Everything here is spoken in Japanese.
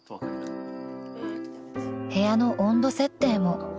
［部屋の温度設定も］